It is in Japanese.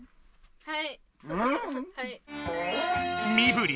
はい。